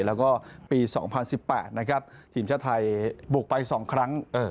แล้วก็ปีสองพันสิบแปดนะครับทีมชาติไทยปลุกไปสองครั้ง